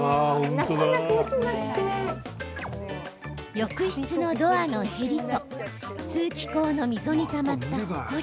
浴室のドアのへりと通気口の溝にたまったほこり。